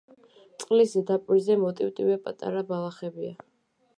წყლის ზედაპირზე მოტივტივე პატარა ბალახებია.